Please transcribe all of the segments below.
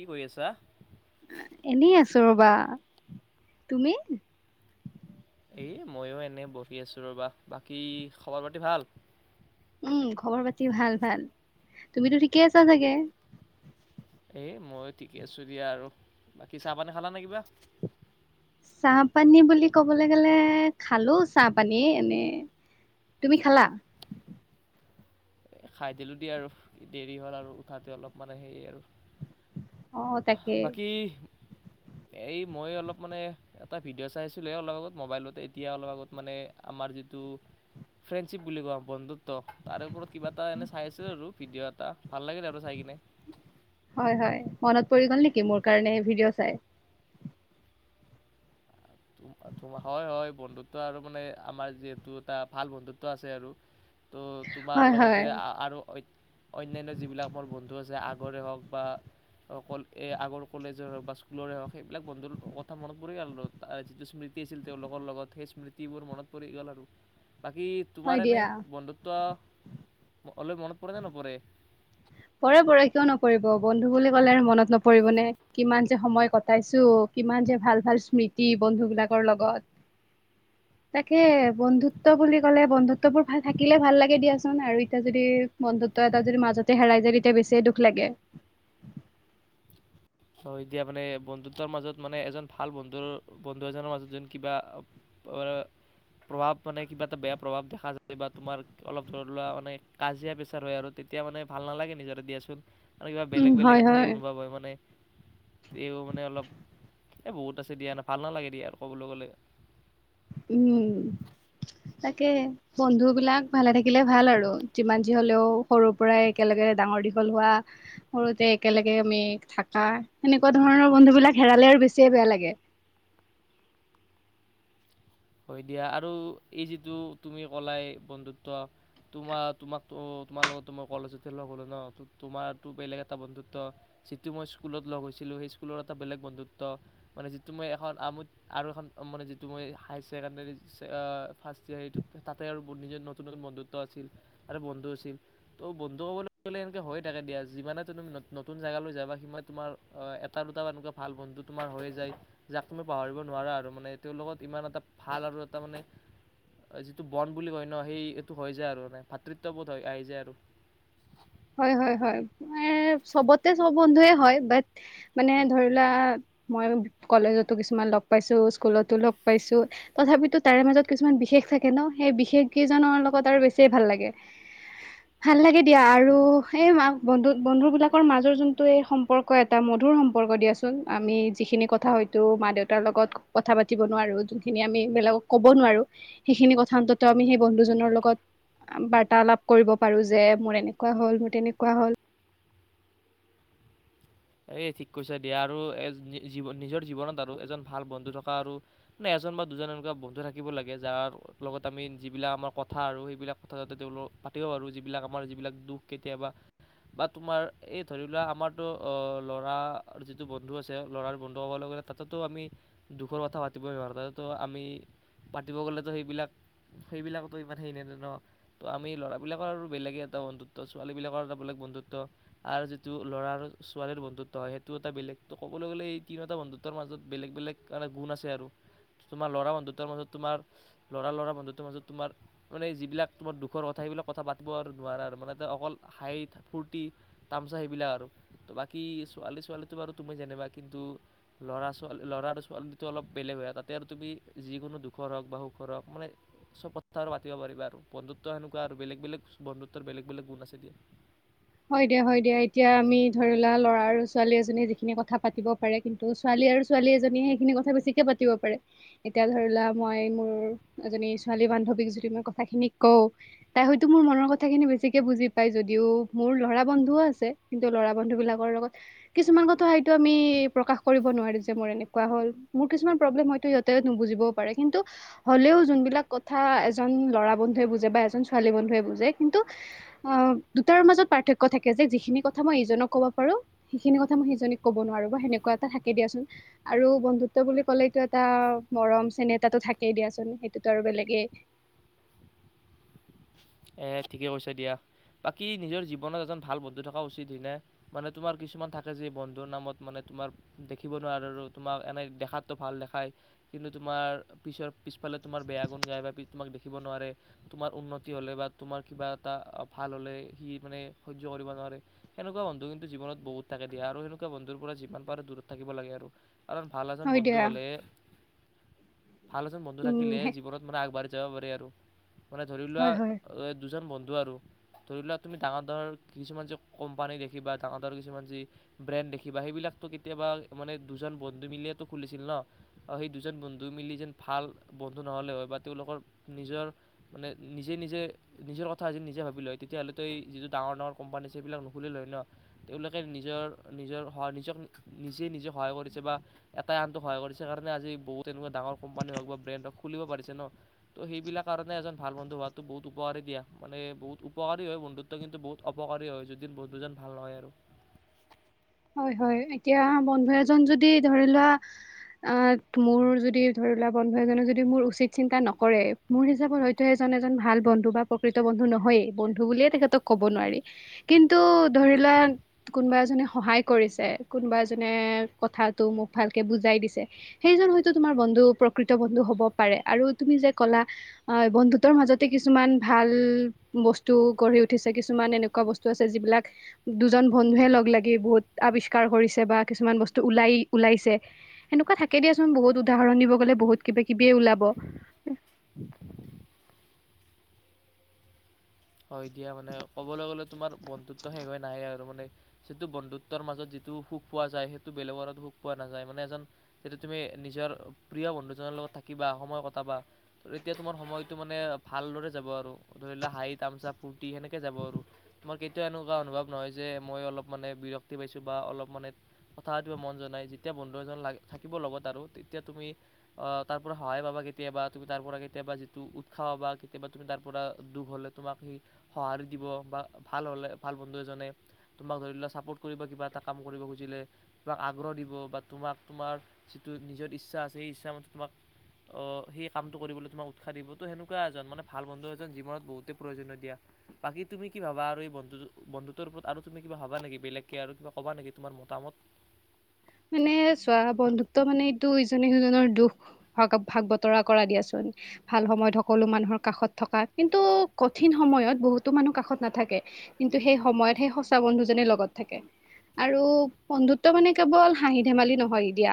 কি কৰি আছা এনেই আছো ৰবা তুমি এই ময়ো এনেই বহি আছোঁ ৰ'বা বাকী খবৰ পাতি ভাল উম খবৰ পাতি ভাল ভাল তুমিতো ঠিকেই আছা চাগে এ মই ঠিকে আছো দিয়া আৰু বাকী চাহ পানী খালা নে কিবা চাহপানী বুলি ক'বলে গ'লে খালো চাহপানীয়ে এনে তুমি খালা খাই দিলোঁ দিয়া আৰু দেৰি হ'ল আৰু উঠাতে অলপ মানে সেৰি আৰু অ তাকে বাকী হেৰি মই অলপ মানে এটা ভিডিঅ' চাইছিলো অলপ আগত মোবাইলতে এতিয়া অলপ আগত মানে আমাৰ যিটো ফ্ৰেণ্ডশ্বিপ বুলি কওঁ বন্ধুত্ব তাৰ ওপৰত কিবা এটা এনে চাইচো আৰু ভিডিঅ' এটা ভাল লাগিল আৰু চাই কিনে। হয় হয় মনত পৰি গ'ল নেকি মোৰ কাৰণে ভিডিঅ' চাই? হয়, হয় বন্ধুত্ব আৰু মানে আমাৰ যিহেতু এটা ভাল বন্ধুত্ব আছে আৰু। ত' তোমাৰ হয় হয় লগতে আ আৰু অইন অন্যান্য যিবিলাক মোৰ বন্ধু আছে আগৰে হওঁক বা অকল এ আগৰ কলেজৰ হওঁক বা স্কুলৰে হওঁক সেইবিলাক বন্ধুৰ কথা মনত পৰি গেল আ যিটো স্মৃতি আছিল তেওঁলোকৰ লগত সেই স্মৃতিবোৰ মনত পৰি গেল আৰু। বাকী হয় তোমাৰ এনে দিয়া বন্ধুত্ব অলপ মনত পৰে নে নপৰে? পৰে, পৰে কিয় নপৰিব বন্ধু বুলি ক'লে আৰু মনত নপৰিব নে কিমান যে সময় কটাইছো কিমান যে ভাল ভাল স্মৃতি বন্ধু বিলাকৰ লগত তাকে বন্ধুত্ব বুলি কলে বন্ধুত্ব বোৰ ভাল থাকিলে ভাল লাগে দিয়াচোন আৰু এতিয়া যদি বন্ধুত্ব এটা যদি মাজতে হেৰাই যে তেতিয়া বেছিয়ে দুখ লাগে। চ এতিয়া মানে বন্ধুত্বৰ মাজত মানে এজন ভাল বন্ধুৰ বন্ধু এজনৰ মাজত যেন কিবা পৰ প্ৰভাৱ মানে কিবা এটা বেয়া প্ৰভাৱ দেখা যায় বা তোমাৰ অলপ ধৰি লোৱা মানে কাজিয়া পেছাৰ হয় আৰু তেতিয়া মানে ভাল নালাগে নিজৰ দিয়াচোন। আৰু কিবা উম বেলেগ হয় বেলেগ এটা সে অনুভৱ হয় মানে তেওঁ মানে অলপ এ বহুত আছে দিয়া ন' ভাল নালাগে দিয়া আৰু ক'বলৈ গ'লে। উম, তাকে বন্ধু বিলাক ভালে থাকিলে ভাল আৰু যিমান যি হ'লেও সৰুৰ পৰাই একেলগে ডাঙৰ দীঘল হোৱা সৰুতে একেলগে আমি থাকা সেনেকুৱা ধৰণৰ বন্ধু বিলাক হেৰালে আৰু বেছিয়ে বেয়া লাগে। হয় দিয়া আৰু এই যিটো তুমি ক'লাই বন্ধুত্ব তোমাৰ তোমাক তোমাৰ লগতো মই কলেজত লগ হ'লো ন' তোমাৰো বেলেগ এটা বন্ধুত্ব যিটো মই স্কুলত লগ হৈছিলো সেই স্কুলত এটা বেলেগ বন্ধুত্ব মানে যিটো মই এখন আ আৰু এখন মানে যিটো মই হাইছ ছেকেণ্ডেৰি অ', ফাৰ্ষ্ট ইয়েৰ হেতু তাতে আৰু নিজৰ নতুন নতুন বন্ধুত্ব আছিল আৰু বন্ধু আছিল ত' বন্ধু ক ক'বলৈ গ'লে এনেকৈ হৈ থাকে দিয়া যিমানে তুম তুমি নতুন জেগালৈ যাবা সিমানে তোমাৰ এটা দুটা এনেকুৱা ভাল বন্ধু তোমাৰ হৈ যায় যাক তুমি পাহৰিব নোৱাৰা আৰু মানে তেওঁৰ লগত ইমান এটা ভাল আৰু এটা মানে যিটো বন বুলি কয় ন' সেই এইটো হৈ যায় আৰু মানে ভাতৃত্ববোধ হৈ আহি যায় আৰু। হয়, হয়, হয় চবতে চব বন্ধুৱে হয় বাট মানে ধৰিলোৱা মই কলেজতো কিছুমান লগ পাইছো স্কুলতো লগ পাইছো তথাপিতো তাৰে মাজত কিছুমান বিশেষ থাকে ন' সেই বিশেষ কেইজনৰ লগত আৰু বেছ ভাল লাগে, ভাল লাগে দিয়া আৰু সে ম বন্ধু বন্ধু বিলাকৰ মাজৰ যোনটো এই সম্পৰ্ক এটা মধুৰ সম্পৰ্ক দিয়াচোন আমি যিখিনি কথা হয়তো মা দেউতাৰ লগত কথা পাতিব নোৱাৰো যোনখিনি আমি বেলেগক ক'ব নোৱাৰো সেইখিনি কথা অন্তত আমি সেই বন্ধুজনৰ লগত বাৰ্তালাপ কৰিব পাৰো যে মোৰ এনেকুৱা এক হ'ল মোৰ তেনেকুৱা হ'ল। এ ঠিক কৈছা দিয়া আৰু জীৱন নিজৰ জীৱনত আৰু এজন ভাল বন্ধু থকা আৰু নে এজন বা দুজন এনেকুৱা বন্ধু থাকিব লাগে যাৰ লগত আমি যিবিলাক আমাৰ কথা আৰু সেইবিলাক কথা যাতে তেওঁল পাতিব পাৰো যিবিলাক আমাৰ যিবিলাক দুখ কেতিয়াবা বা তোমাৰ এই ধৰি লোৱা আমাৰতো ল'ৰাৰ যিটো বন্ধু আছে ল'ৰাৰ বন্ধু ক'বলৈ গ'লে তাততো আমি দুখৰ কথা পাতিবই নোৱাৰোঁ তাতো আমি পাতিব গ'লেতো সেইবিলাক সেইবিলাকতো ইমান সেইনে ন' ন' তো আমি ল'ৰাবিলাকৰ আৰু বেলেগে এটা বন্ধুত্ব ছোৱালীবিলাকৰ এটা বেলেগ বন্ধুত্ব আৰু যিটো ল'ৰাৰ ছোৱালীৰ বন্ধুত্ব হয় সেইটো এটা বেলেগ ত' ক'বলৈ গ'লে এই তিনটা বন্ধুত্বৰ মাজত বেলেগ বেলেগ মানে গুণ আছে আৰু, তোমাৰ ল'ৰা বন্ধুত্বৰ মাজত তোমাৰ ল'ৰা ল'ৰা বন্ধুতৰ মাজত তোমাৰ মানে যিবিলাক তোমাৰ দুখৰ কথা সেইবিলাক কথা পাতিব আৰু নোৱাৰা আৰু মানে এটা অকল হাইট ফূৰ্তি তামচা সেইবিলাক আৰু। বাকী ছোৱালী ছোৱালীটো বাৰু তুমি জিনিবা কিন্তু ল'ৰা-ছোৱালী ল'ৰা-ছোৱালীটো অলপ বেলেগ হয় তাতে আৰু তুমি যিকোনো দুখৰ হওঁক বা সুখৰ হওঁক মানে চব কথা আৰু পাতিব পাৰিবা আৰু বন্ধুত্ব সেনেকুৱা আৰু বেলেগ বেলেগ বন্ধুত্বৰ বেলেগ বেলেগ গুণ আছে দিয়া। হয় দিয়া, হয় দিয়া এতিয়া আমি ধৰিলোৱা ল'ৰা আৰু ছোৱালী এজনীয়ে যিখিনি কথা পাতিব পাৰে কিন্তু ছোৱালী আৰু ছোৱালী এজনীয়ে সেইখিনি কথা বেছিকে পাতিব পাৰে এতিয়া ধৰিলোৱা মই মোৰ এজনী ছোৱালী বান্ধৱীক যদি মই কথা খিনি কও তাই হয়তো মোৰ মনৰ কথা খিনি বেছিকে বুজি পাই যদিও মোৰ লৰা বন্ধুও আছে কিন্তু লৰা বন্ধু বিলাকৰ লগত কিছুমান কথা হয়তো আমি প্ৰকাশ কৰিব নোৱাৰি যে মোৰ এনেকুৱা হ'ল মোৰ কিছুমান প্ৰব্লেম হয়তো সিহঁতে নুবুজিবও পাৰে কিন্তু হ'লেও যোনবিলাক কথা এজন লৰা বন্ধুৱে বুজে বা এজন ছোৱালী বন্ধুৱে বুজে কিন্তু অ' তাৰ মাজত পাৰ্থক্য থাকে যে যিখিনি কথা মই ইজনক ক'ব পাৰো সেইখিনি কথা মই সিজনীক ক'ব নোৱাৰো বা সেনেকুৱা এটা থাকে দিয়াচোন আৰু বন্ধুত্ব বুলি ক'লেটো এটা মৰম চেনেহটো থাকেই দিয়াচোন সেইটোতো আৰু বেলেগেই। এ ঠিকে কৈছে দিয়া বাকী নিজৰ জীৱনত এজন ভাল বন্ধু থকা উচিত হিনে [unintelligible] মানে তোমাৰ কিছুমান থাকে যে বন্ধুৰ নামত মানে তোমাৰ দেখিব নোৱাৰে আৰু তোমাক এনে দেখাতো ভাল দেখাই কিন্তু তোমাৰ পিছৰ পিছফালে তোমাৰ বেয়া গুণ গাই বা তোমাক দেখিব নোৱাৰে তোমাৰ উন্নতি হ'লে বা তোমাৰ কিবা এটা ভাল হ'লে সি মানে সহ্য কৰিব নোৱাৰে সেনেকুৱা বন্ধু কিন্তু জীৱনত বহুত থাকে দিয়া আৰু সেনেকুৱা বন্ধুৰ পৰা যিমান পাৰে দূৰত থাকিব লাগে আৰু। কাৰণ ভাল এজন হয় দিয়া বন্ধু হ'লে ভাল এজন বন্ধু থাকিল উম, জীৱনত সদায় আগবাঢ়ি য বৰে আৰু মানে ধৰি লোৱা। হয় হয় দুজন বন্ধু আৰু ধৰি লওঁক তুমি ডাঙৰ ডাঙৰ কিছুমান যি কোম্পানী দেখিবা ডাঙৰ ডাঙৰ কিছুমান যি ব্ৰেণ্ড দেখিবা সেইবিলাকতো কেতিয়াবা মানে দুজন বন্ধু মিলিয়েতো খুলিছিল ন' সেই দুজন বন্ধু মিলি যেন ভাল বন্ধু নহ'লে হয় বা তেওঁলোকৰ নিজৰ মানে নিজে, নিজে নিজৰ কথা আজি নিজে ভাবি লয় তেতিয়াহ'লেতো এই যিটো ডাঙৰ ডাঙৰ কোম্পানী সেইবিলাক নুখুলীলে হয় ন' তেওঁলোকে নিজৰ নিজৰ সহায় কৰিছে বা নিজক নিজেই নিজে সহায় কৰিছে বা এটাই আনটোক সহায় কৰিছে কাৰণে আজি বহুত এনেকুৱা ডাঙৰ কোম্পানী হওঁক বা ব্ৰেণ্ড হওঁক খুলিব পাৰিছে ন' ত' সেইবিলাক কাৰণে এজন ভাল বন্ধু হোৱাটো বহুত উপকাৰী দিয়া মানে বহুত উপকাৰী হয় বন্ধুত্ব কিন্তু বহুত অপকাৰী হয় যদি বন্ধুজন ভাল নহয় আৰু। হয়, হয় এতিয়া বন্ধু এজন যদি ধৰি লোৱা অ', মোৰ যদি ধৰি লোৱা বন্ধু এজনে যদি মোৰ উচিত চিন্তা নকৰে মোৰ হিচাপত হয়তো এজন এজন ভাল বন্ধু বা প্ৰকৃত বন্ধু নহয়েই বন্ধু বুলিয়ে তেখেতক ক'ব নোৱাৰি কিন্তু ধৰি লোৱা কোনোবা এজনে সহায় কৰিছে, কোনোবা এ জনে কথাটো মোক ভালকে বুজাই দিছে, সেইজন হয়তো তোমাৰ বন্ধু প্ৰকৃত বন্ধু হ'ব পাৰে আৰু তুমি যে ক'লা বন্ধুতৰ মাজতে কিছুমান ভাল বস্তু গঢ়ি উঠিছে, কিছুমান এনেকুৱা বস্তু আছে যিবিলাক দুজন বন্ধুৱে লগ লাগি বহুত আৱিষ্কাৰ কৰিছে বা কিছুমান বস্তু ওলাই ওলাইছে এনেকুৱা থাকে দিয়াচোন বহুত উদাহৰণ দিব গ'লে বহুত কিবা কিবিয়ে ওলাব। হয় দিয়া, মানে ক'বলৈ গ'লে তোমাৰ বন্ধুত্ব শেষ হৈ নাহে আৰু মানে যিটো বন্ধুত্বৰ মাজত যিটো সুখ পোৱা যায় সেইটো বেলেগৰ সুখ পোৱা নাযায় মানে এজন যেতিয়া তুমি নিজৰ প্ৰিয় বন্ধুজনৰ লগত থাকিবা সময় কটাবা তেতিয়া তোমাৰ সময়টো মানে ভালদৰে যাব আৰু ধৰি তামচা ফূৰ্তি সেনেকে যাব আৰু মই কি তে এনেকুৱা অনুভৱ নহয় যে মই অলপ মানে বিৰক্তি পাইছোঁ বা অলপ মানে কথা পাতিব মন জনাই যেতিয়া বন্ধু এজন লাগ থাকিব লগত আৰু তেতিয়া অ', তুমি তাৰ পৰা সহায় পাবা কেতিয়াবা তুমি তাৰ পৰা কেতিয়াবা যিটো উৎসাহ পবা কেতিয়াবা তুমি তাৰ পৰা দুখ হ'লে তোমাক সেই সঁহাৰি দিব বা ভাল হ'লে ভাল বন্ধু এজনে তোমাক ধৰি লোৱা ছাপৰ্ট কৰিব কিবা এটা কাম কৰিব খুজিলে, তোমাক আগ্ৰহ দিব বা তোমাক তোমাৰ যিটো নিজৰ ইচ্ছা আছে সেই ইচ্ছামতে তোমাক অ', সেই কামটো কৰিবলৈ তোমাক উৎসাহ দিব তো সেনেকুৱা এজন মানে ভাল বন্ধু এজন জীৱনত বহুত তে প্ৰয়োজন দিয়া বাকী তুমি কি ভাবা আৰু এই বন্ধু বন্ধুত ওপৰত আৰু তুমি কিবা ভাবা নেকি বেলেগকে আৰু কিবা কবা নেকি তোমাৰ মতামত? মানে চোৱা বন্ধুত্ব মানে এইটো ইজনে সিজনৰ দুখ ভাগ ভাগ বতৰা কৰা দিয়াচোন, ভাল সময়ত সকলো মানুহৰ কাষত থকা কিন্তু কঠিন সময়ত বহুতো মানুহ কাষত নাথাকে কিন্তু সেই সময়ত সেই সঁচা বন্ধুজনে লগত থাকে আৰু বন্ধুত্ব মানে কেৱল হাঁহি ধেমালি নহয় দিয়া,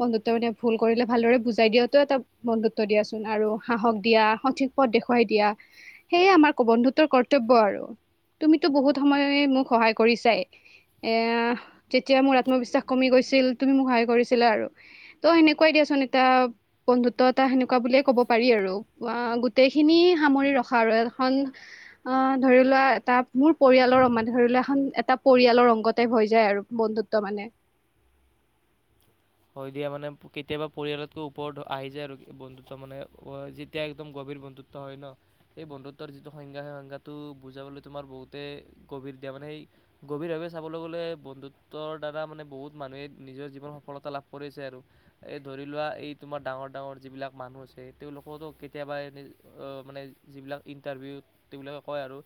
বন্ধুত্ব মানে ভুল কৰিলে ভালদৰে বুজাই দিয়াতটো এটা বন্ধুত্ব দিয়াচোন আৰু সাহস দিয়া সঠিক পথ দেখুৱাই দিয়া সেয়ে আমাৰ বন্ধুত্বৰ কৰ্তব্য আৰু তুমিতো বহুত সময়ে মোক সহায় কৰিছাই এ যেতিয়া মোৰ আত্মবিশ্বাস। কমি গৈছিল তুমি মোক সহায় কৰিছিলা আৰু ত' সেনেকুৱাই দিয়াচোন এটা বন্ধুত্ব এটা সেনেকুৱা বুলিয়ে কব পাৰি আৰু অ গোটেইখিনি সামৰি ৰখা আৰু এখন অ ধৰি লোৱা এটা মোৰ পৰিয়ালৰ মানে ধৰি লোৱা এখন এটা পৰিয়ালৰ অংগতে ভ হৈ যায় আৰু বন্ধুত্ব মানে- হৈ দিয়া মানে কেতিয়াবা পৰিয়ালতকৈ ওপৰত আহি যায় আৰু বন্ধুত্ব মানে যেতিয়া একদম গভীৰ বন্ধুত্ব হয় ন সেই বন্ধুত্বৰ যিটো সংজ্ঞা সেই সংজ্ঞাটো বুজাবলৈ তোমাৰ বহুতে গভীৰ দিয়া মানে সেই গভীৰভাৱে চাবলৈ গ'লে বন্ধুত্বৰ দ্বাৰা মানে বহুত মানুহে নিজৰ জীৱন সফলতা লাভ কৰিব কৰে, কৰিছে আৰু এই ধৰি লোৱা এই তোমাৰ ডাঙৰ ডাঙৰ যিবিলাক মানুহ আছে তেওঁলোকতো কেতিয়াবা এনে মানে যিবিলাক ইণ্টাৰভিউত তেওঁবিলাকে কয় আৰু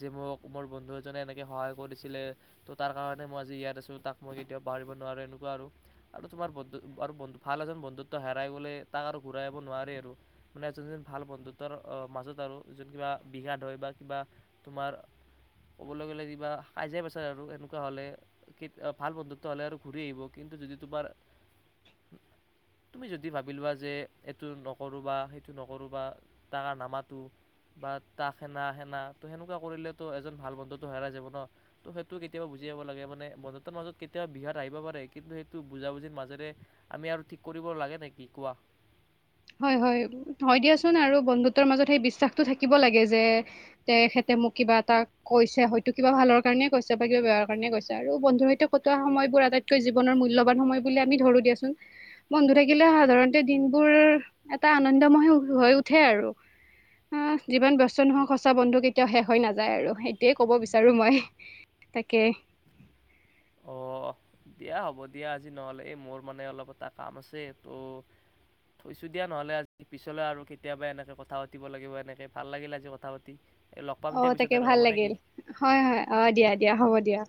যে মোক মোৰ বন্ধু এজনে এনেকৈ সহায় কৰিছিলে তো তাৰ কাৰণে মই আজি ইয়াত আছোঁ তাক মই কেতিয়াও পাহৰিব নোৱাৰোঁ এনেকুৱা আৰু। আৰু তোমাৰ বন্ধু আৰু বন্ধু ভাল এজন বন্ধুত্ব হেৰাই গ'লে তাক আৰু ঘূৰাই যব নোৱাৰে আৰু মানে এজন এজন ভাল বন্ধুত্বৰ মাজত আৰু যজন কিবা বিঘাদ হয় বা কিবা তোমাৰ ক'বলৈ গ'লে কিবা সাজজে পেচাৰে আৰু সনেকুৱা হ'লে ভাল বন্ধুত্ব হ'লে আৰু ঘূৰি আহিব কিন্তু যদি তোমাৰ তুমি যদি ভাবি লোৱা যে এইটো নকৰোঁ বা সেইটো নকৰোঁ বা তাৰ নামাটো বা তাক সেনা সেনা তো সেনেকুৱা কৰিলেতো এজন ভাল বন্ধুটো হেৰাই যাব ন ত' সেইটো কেতিয়াবা বুজি যাব লাগে মানে বন্ধতাৰ মাজত কেতিয়াবা বিহাত আহিব পাৰে কিন্তু সেই বুজাবুজিৰ মাজেৰে আমি আৰু ঠিক কৰিব লাগে নেকি কোৱা, হয় হয় হয় দিয়াচোন আৰু বন্ধুতৰ মাজত সেই বিশ্বাসতটো থাকিব লাগে যে তেখেতে মোক কিবা এটা কৈছে হয়তো কিবা ভালৰ কাৰণে কৈছে বা কিবা বেয় কাৰণে কৈছে আৰু বন্ধুৰ সৈতে কটোৱা সময়বোৰ আটাইতকৈ জীৱনৰ মূল্যবান সময় বুলি আমি ধৰো দিয়াচোন বন্ধু থাকিলে সাধাৰণতে দিনবোৰ এটা আনন্দময় হৈ উঠে আৰু আহ যিমান বস্ত নোহোৱা সঁচা বন্ধু কেতিয়াও শেষ হৈ নাযায় আৰু এতিয়ে কব বিচাৰো মই তাকে, অঁ দিয়া হ'ব দিয়া আজি নহলে এই মোৰ মানে অলপ এটা কাম আছে ত' থৈছো দিয়া নহলে আজি পিছলৈ আৰু কেতিয়াবা এনেকে কথা পাতিব লাগিব এনেকে ভাল লাগিল আজি কথা পাতি। এই লগ পাম অ দিয়া পিছত তাকে আৰু ভাল হ'ব নেকি লাগিল হয় হয় অ দিয়া দিয়া হ'ব দিয়া।